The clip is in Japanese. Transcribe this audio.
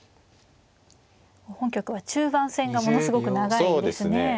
本局は中盤戦がものすごく長いですね。